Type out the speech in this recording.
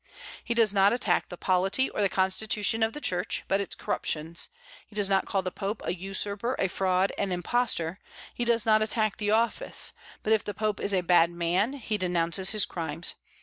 He does not attack the polity or the constitution of the Church, but its corruptions. He does not call the Pope a usurper, a fraud, an impostor; he does not attack the office; but if the Pope is a bad man he denounces his crimes.